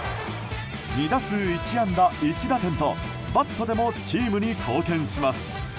２打数１安打１打点とバットでもチームに貢献します。